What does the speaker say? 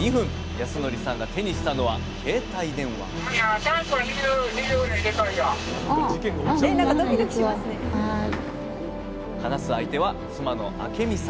康則さんが手にしたのは携帯電話話す相手は妻の明美さん。